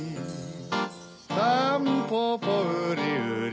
タンポポウリウリ